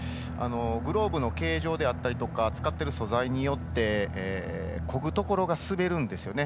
グローブの形状であったりとか使ってる素材によってこぐところが、滑るんですよね。